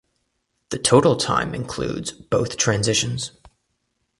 The total time includes both transitions.